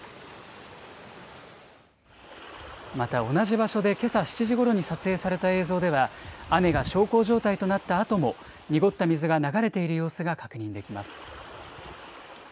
また、同じ場所でけさ７時ごろに撮影された映像では、雨が小康状態となったあとも、濁った水が流れている様子が確認できます。